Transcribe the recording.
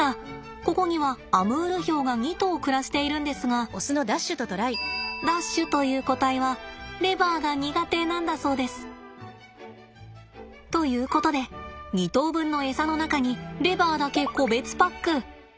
ここにはアムールヒョウが２頭暮らしているんですがダッシュという個体はレバーが苦手なんだそうです。ということで２頭分のエサの中にレバーだけ個別パック。